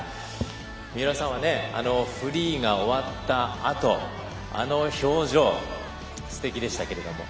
三浦さんはフリーが終わったあと、あの表情すてきでしたけれども。